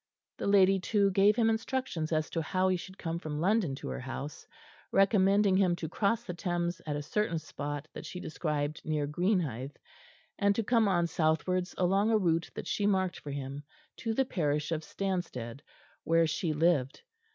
The lady, too, gave him instructions as to how he should come from London to her house, recommending him to cross the Thames at a certain spot that she described near Greenhithe, and to come on southwards along a route that she marked for him, to the parish of Stanstead, where she lived.